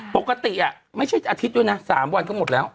ปกติไม่ใช่อาทิตย์ด้วยนะ๓วันก็หมดแล้ว